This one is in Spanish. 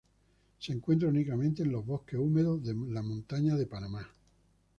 Se encuentra únicamente en las bosques húmedos de montaña de Panamá.